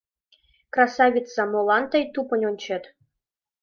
— Красавица, молан тей тупынь ончет?